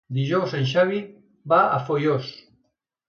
Dijous en Xavi va a Foios.